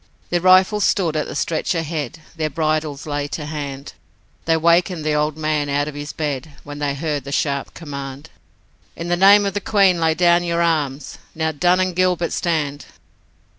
Their rifles stood at the stretcher head, Their bridles lay to hand, They wakened the old man out of his bed, When they heard the sharp command: 'In the name of the Queen lay down your arms, Now, Dunn and Gilbert, stand!'